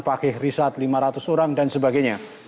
pakih risat lima ratus orang dan sebagainya